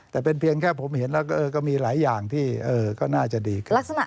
แต่เป็นเพียงแค่ผมเห็นแล้วก็มีหลายอย่างที่ก็น่าจะดีขึ้น